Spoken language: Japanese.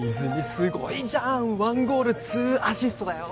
すごいじゃんワンゴールツーアシストだよ